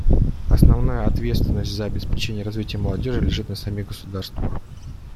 Основная ответственность за обеспечение развития молодежи лежит на самих государствах.